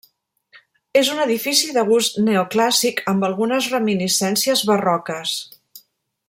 És un edifici de gust neoclàssic amb algunes reminiscències barroques.